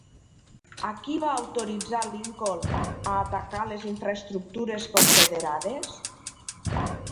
A qui va autoritzar Lincoln a atacar les infraestructures confederades?